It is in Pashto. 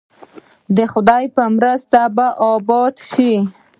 د خدای په مرسته به اباد شو؟